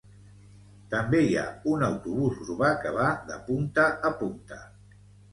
També hi ha un autobús urbà que va de punta a punta